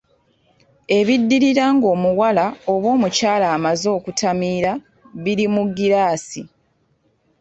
Ebiddirira ng'omuwala oba omukyala amaze okutamira biri mu giraasi.